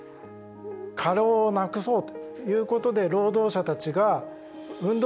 過労をなくそうということで労働者たちが運動を始めました。